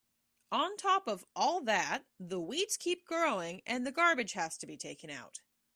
On top of all that, the weeds keep growing and the garbage has to be taken out.